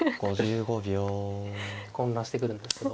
混乱してくるんですけど。